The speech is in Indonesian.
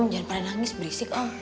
jangan pada nangis berisik om